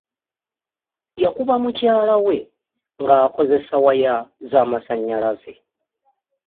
Yakuba mukyala we nga akozesa waya zamasannyalazze.